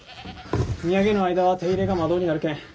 荷揚げの間は手入れが間遠になるけん